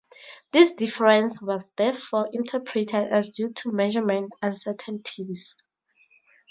This difference was therefore interpreted as due to measurement uncertainties.